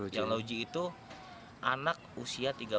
yang loji itu anak usia tiga belas tahun asal tangerang